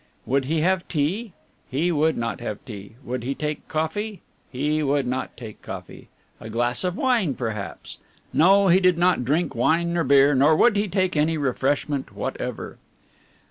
Would he have tea? He would not have tea. Would he take coffee? He would not take coffee. A glass of wine perhaps? No, he did not drink wine nor beer, nor would he take any refreshment whatever.